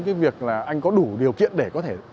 cái việc là anh có đủ điều kiện để có thể